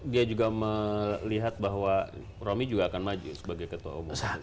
dia juga melihat bahwa romi juga akan maju sebagai ketua umum